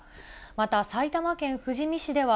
また埼玉県富士見市では、